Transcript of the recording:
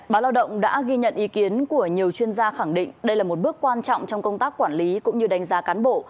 báo lao động đã ghi nhận ý kiến của nhiều chuyên gia khẳng định đây là một bước quan trọng trong công tác quản lý cũng như đánh giá cán bộ